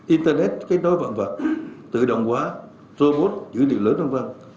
internet cái đói vạn vật tự động hóa robot giữ điều lớn văn văn